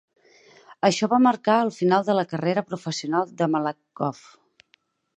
Això va marcar el final de la carrera professional de Malakhov.